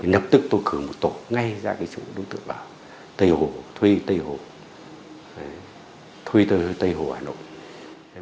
nhập tức tôi cử một tổ ngay ra cái chủ đối tượng vào tây hồ thuê tây hồ thuê tây hồ hà nội